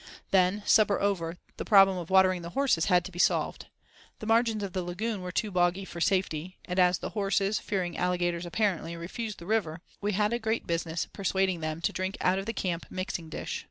Then, supper over, the problem of watering the horses had to be solved. The margins of the lagoons were too boggy for safety, and as the horses, fearing alligators apparently, refused the river, we had a great business persuading them to drink out of the camp mixing dish.